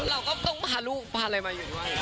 เราก็ต้องพาลูกพาอะไรมาอยู่ด้วย